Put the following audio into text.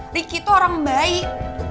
ricky tuh orang baik